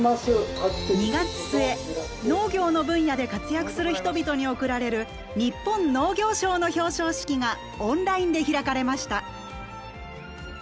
２月末農業の分野で活躍する人々に贈られる「日本農業賞」の表彰式がオンラインで開かれました。